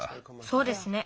そうですね。